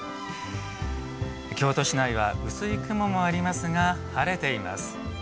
京都市内は薄い雲もありますが晴れています。